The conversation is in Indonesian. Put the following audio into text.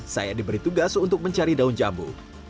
saya diberi tugas untuk mencari daun jambu